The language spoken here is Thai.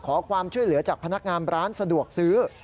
ขอความช่วยเหลือจากพนักงานร้านสะดวกซื้อ